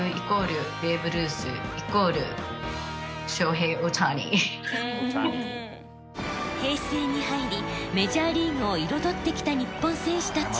平成に入りメジャーリーグを彩ってきた日本選手たち。